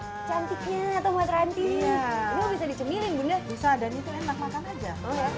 hai cantiknya atau matranti bisa dicemilin bunda bisa dan itu enak makan aja